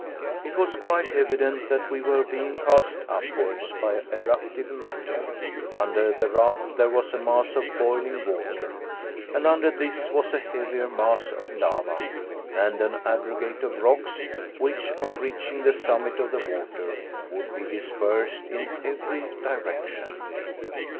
It was quite evident that we were being cast upwards by eruptive matter; under the raft there was a mass of boiling water, and under this was a heavier mass of lava, and an aggregate of rocks which, on reaching the summit of the water, would be dispersed in every direction.